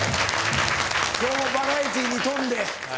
今日もバラエティーに富んで。